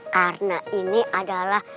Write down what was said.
karena ini adalah